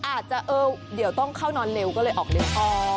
อาจจะต้องเข้านอนเร็วก็เลยออกเร็ว